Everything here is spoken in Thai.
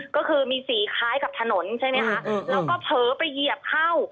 ก็คือมีสีคล้ายกับถนนใช่ไหมคะแล้วก็เผลอไปเหยียบเข้า